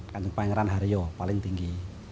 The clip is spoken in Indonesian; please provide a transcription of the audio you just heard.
kanjeng pangeran hario paling tinggi